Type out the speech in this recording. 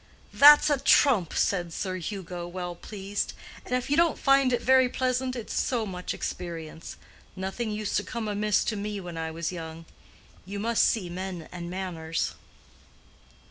"That's a trump!" said Sir Hugo, well pleased. "And if you don't find it very pleasant, it's so much experience. Nothing used to come amiss to me when I was young. You must see men and manners."